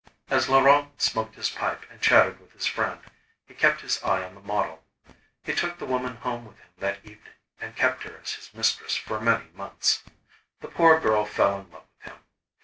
As Laurent smoked his pipe and chatted with his friend, he kept his eyes on the model. He took the woman home with him that evening and kept her as his mistress for many months. The poor girl fell in love with him.